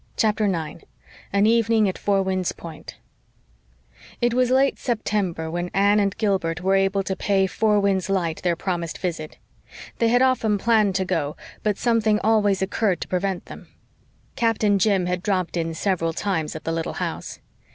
CHAPTER 9 AN EVENING AT FOUR WINDS POINT It was late September when Anne and Gilbert were able to pay Four Winds light their promised visit. They had often planned to go, but something always occurred to prevent them. Captain Jim had "dropped in" several times at the little house.